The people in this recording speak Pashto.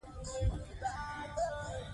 هغه له بوټو سره پیوند ته آریان پاتې وو.